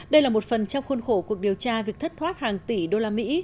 đây là một phần trong khuôn khổ cuộc điều tra việc thất thoát hàng tỷ usd